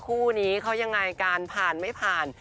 คู่นี้เขายังไงการผ่านไม่ผ่าน